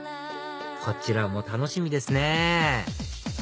こちらも楽しみですね